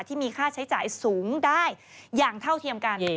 ที่มีค่าใช้จ่ายสูงได้อย่างเท่าเทียมกัน